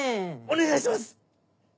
お願いします！